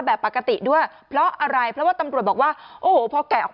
แบบปกติด้วยเพราะอะไรเพราะว่าตำรวจบอกว่าโอ้โหพอแกะออก